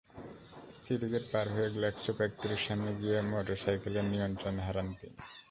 সিটিগেট পার হয়ে গ্ল্যাক্সো ফ্যাক্টরির সামনে গিয়ে মোটরসাইকেলের নিয়ন্ত্রণ হারান তিনি।